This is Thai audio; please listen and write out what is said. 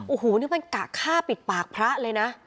โอ้โหนี่เป็นกะฆ่าปิดปากพระเลยนะ